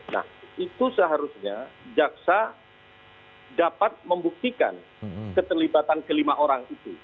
nah itu seharusnya jaksa dapat membuktikan keterlibatan kelima orang itu